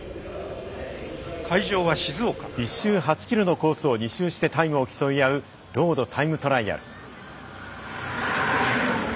１周８ｋｍのコースを２周してタイムを競いあうロードタイムトライアル。